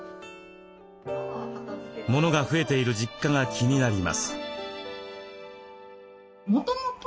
物が増えている実家が気になります。